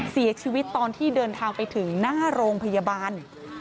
เสียชีวิตตอนที่เดินทางไปถึงหน้าโรงพยาบาล